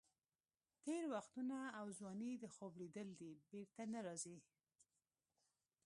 تېر وختونه او ځواني د خوب لیدل دي، بېرته نه راځي.